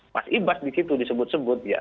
mas ibas di situ disebut sebut ya